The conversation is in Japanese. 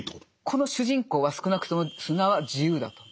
この主人公は少なくとも砂は自由だと。